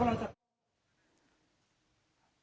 ไม่ว่าก็เราจะ